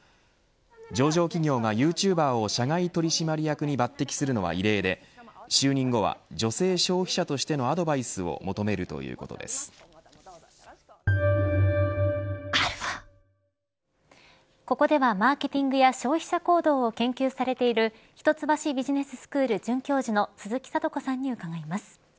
上場企業がユーチューバーを社外取締役に抜てきするのは異例で就任後は女性消費者としてのアドバイスをここではマーケティングや消費者行動を研究されている一橋ビジネススクール准教授の鈴木智子さんに伺います。